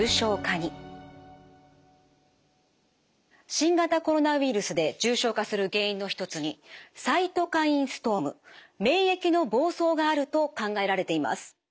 新型コロナウイルスで重症化する原因の一つにサイトカインストーム免疫の暴走があると考えられています。